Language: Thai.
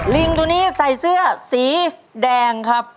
ลิงตัวนี้ใส่เสื้อสีแดงครับ